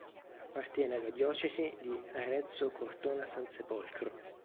Appartiene alla diocesi di Arezzo-Cortona-Sansepolcro.